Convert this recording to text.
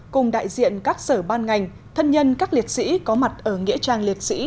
cùng đại diện các sở ban ngành thân nhân các liệt sĩ có mặt ở nghĩa trang liệt sĩ